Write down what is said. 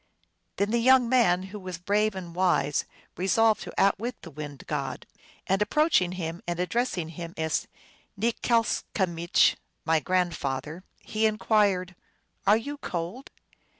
Then the young man, who was brave and wise, re solved to outwit the wind god. And approaching him and addressing him as Nikslcamich, " My grand father," he inquired, " are you cold